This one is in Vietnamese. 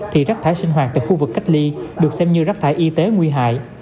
thì rác thải sinh hoạt tại khu vực cách ly được xem như rác thải y tế nguy hại